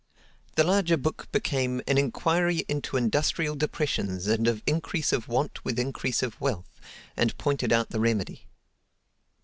The larger book became "an inquiry into industrial depressions and of increase of want with increase of wealth," and pointed out the remedy.